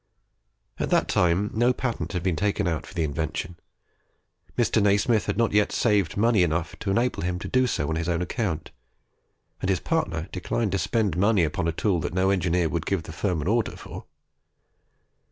At that time no patent had been taken out for the invention. Mr. Nasmyth had not yet saved money enough to enable him to do so on his own account; and his partner declined to spend money upon a tool that no engineer would give the firm an order for.